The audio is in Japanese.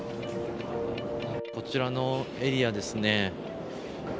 こちらのエリアですね